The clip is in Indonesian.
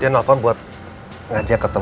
dia nonton buat ngajak ketemu